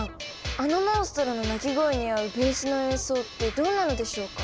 あのモンストロの鳴き声に合うベースの演奏ってどんなのでしょうか？